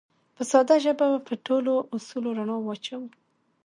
په ساده ژبه به په ټولو اصولو رڼا واچوو